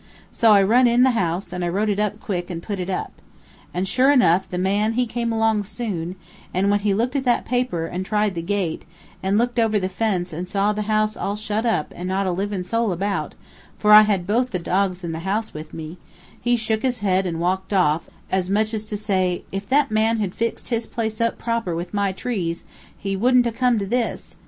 So I run in the house, and wrote it quick and put it up. And sure enough, the man he come along soon, and when he looked at that paper, and tried the gate, an' looked over the fence an' saw the house all shut up an' not a livin' soul about, for I had both the dogs in the house with me, he shook his head an' walked off, as much as to say, 'If that man had fixed his place up proper with my trees, he wouldn't 'a' come to this!'